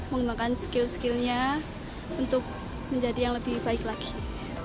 menggunakan skill skillnya untuk menjadi yang lebih baik lagi